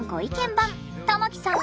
番玉木さん